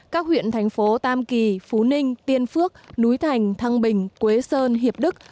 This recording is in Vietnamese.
các huyện thành phố tam kỳ phú ninh tiên phước núi thành thăng bình quế sơn hiệp đức